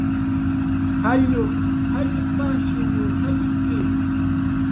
Jalluq jall pajshinw jallki